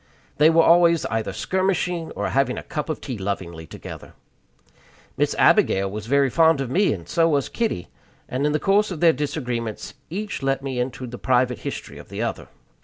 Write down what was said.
They were always either skirmishing or having a cup of tea lovingly together. Miss Abigail was very fond of me, and so was Kitty; and in the course of their disagreements each let me into the private history of the other.